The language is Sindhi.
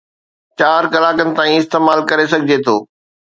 چار ڪلاڪن تائين استعمال ڪري سگھجي ٿو